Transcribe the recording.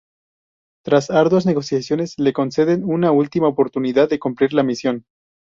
Tras arduas negociaciones, le conceden una última oportunidad de cumplir la misión.